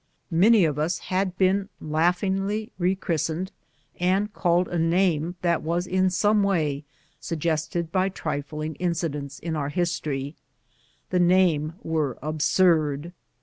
Many of us had been laughingly rechristened, and called a name that was in some way suggested by tri GARRISON AMUSEMENTS. 223 fling incidents in our history. The names were absurd.